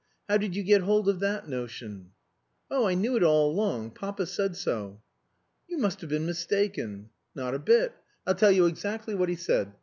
How did you get hold of that notion?" "Oh, I knew it all along. Papa said so." "You must have been mistaken." "Not a bit. I'll tell you exactly what he said.